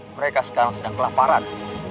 mereka sekarang sedang kelaparan